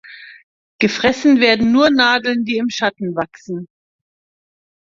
Gefressen werden nur Nadeln, die im Schatten wachsen.